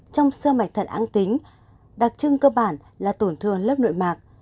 trong sơ mạch thận áng tính đặc trưng cơ bản là tổn thương lớp nội mạc